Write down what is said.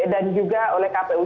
dan juga oleh kpu